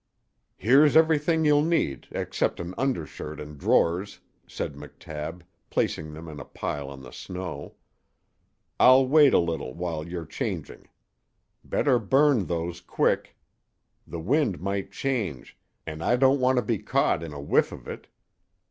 "Here's everything you'll need, except an undershirt an' drawers," said McTabb, placing them in a pile on the snow. "I'll wait a little while you're changing. Better burn those quick. The wind might change, and I don't want to be caught in a whiff of it."